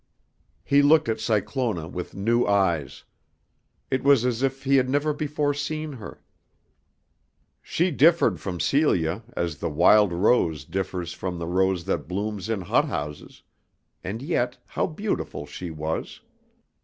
He looked at Cyclona with new eyes. It was as if he had never before seen her. She differed from Celia as the wild rose differs from the rose that blooms in hothouses, and yet how beautiful she was!